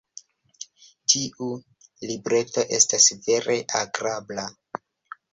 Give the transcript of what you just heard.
Tiu libreto estas vere agrabla.